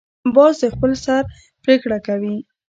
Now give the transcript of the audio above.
باز د خپل سر پریکړه کوي